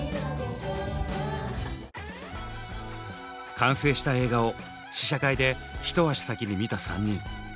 完成した映画を試写会で一足先に見た３人。